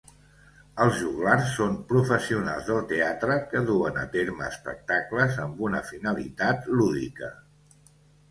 Els joglars són professionals del teatre que duen a terme espectacles amb una finalitat lúdica.